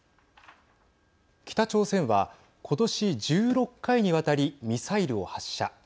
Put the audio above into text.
北朝鮮はことし１６回にわたりミサイルを発射。